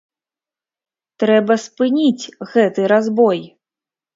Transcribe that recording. Трэба спыніць гэты разбой!